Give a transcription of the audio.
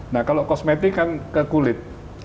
nah kalau kosmetik kan ke kulit